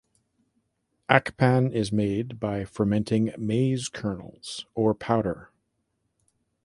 Akpan is made by fermenting maize kernels or powder.